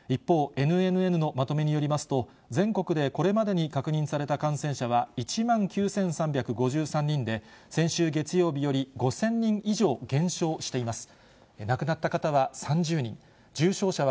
一方、ＮＮＮのまとめによりますと、全国でこれまでに確認された感染者は、１万９３５３人で、先週月曜日より５０００人以上減少しています。